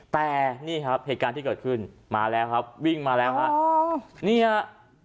แต่นี่ครับเหตุการณ์ที่เกิดขึ้นมาแล้วครับวิ่งมาแล้วฮะอ๋อนี่ฮะ